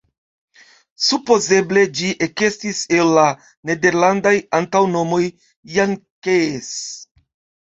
Supozeble ĝi ekestis el la nederlandaj antaŭnomoj "Jan-Kees".